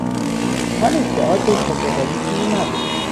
آن ادعا جز حقهبازی چیزی نبود.